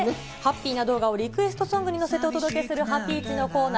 そしてハッピーな動画をリクエストソングに乗せてお届けするハピイチのコーナー。